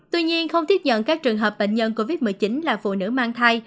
tuy nhiên không tiếp nhận các trường hợp bệnh nhân covid một mươi chín là phụ nữ mang thai